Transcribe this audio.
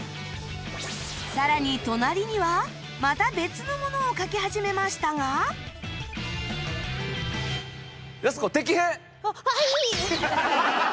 更に隣にはまた別のものを描き始めましたがははい！